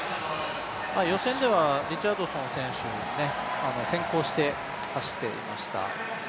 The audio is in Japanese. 予選ではリチャードソン選手先行して走っていました。